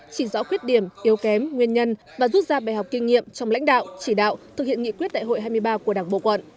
chỉ rõ khuyết điểm yếu kém nguyên nhân và rút ra bài học kinh nghiệm trong lãnh đạo chỉ đạo thực hiện nghị quyết đại hội hai mươi ba của đảng bộ quận